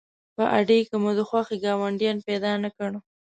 په اډې کې مو د خوښې ګاډیوان پیدا نه کړ.